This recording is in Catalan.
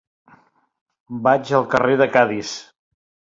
Vaig al carrer de Cadis.